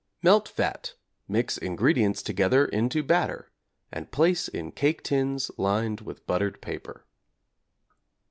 Melt fat, mix ingredients together into batter, and place in cake tins lined with buttered paper.